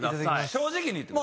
正直に言ってね。